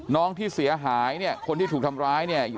น้องที่เสียหายเนี่ยคนที่ถูกทำร้ายเนี่ย